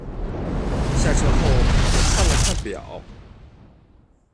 下车后我看了看表